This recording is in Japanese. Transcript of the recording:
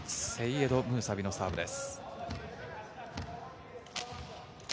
セイエド・ムーサビのサーブです。